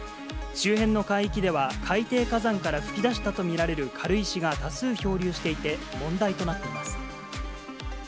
周辺の海域では、海底火山から噴き出したと見られる軽石が多数漂流していて、問題となっています。